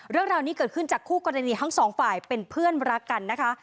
เรื่องราวนี้เกิดขึ้นจากคู่กรณีทั้งสองฝ่ายเป็นเพื่อนรักกันนะคะ